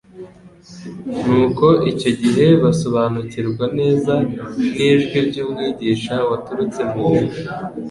Nuko icyo gihe basobanukirwa neza n'ijwi ry'Umwigisha waturutse mu ijuru.